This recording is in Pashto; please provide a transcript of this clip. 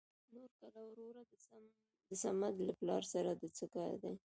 نورګله وروره د سمد له پلار سره د څه کار دى ؟